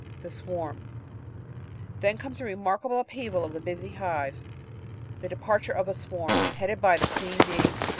The Swarm Then comes the remarkable upheaval of the busy hive — the departiure of a "swarm" headed by the queen bee.